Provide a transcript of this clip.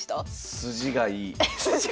筋がいい！